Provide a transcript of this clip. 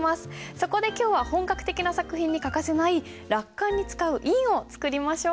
そこで今日は本格的な作品に欠かせない落款に使う印を作りましょう。